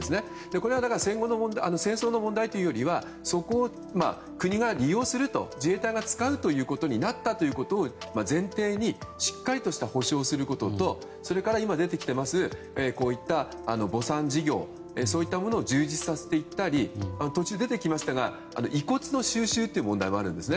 これは戦争の問題というよりはそこを国が利用する、自衛隊が使うことになったということを前提にしっかりとした補償をすることとそれから、今出てきていますこういった墓参事業といったものを充実させていったり途中に出てきましたが遺骨の収集という問題もあるんです。